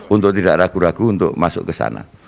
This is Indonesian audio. untuk tidak ragu ragu untuk masuk ke sana